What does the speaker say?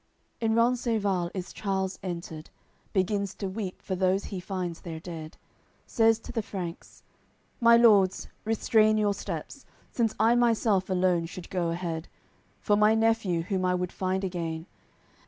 AOI. CCIV In Rencesvals is Charles entered, Begins to weep for those he finds there dead; Says to the Franks: "My lords, restrain your steps, Since I myself alone should go ahead, For my nephew, whom I would find again.